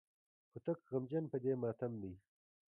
هوتک غمجن په دې ماتم دی.